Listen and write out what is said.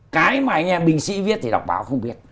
cái mà anh em binh sĩ viết thì đọc báo không biết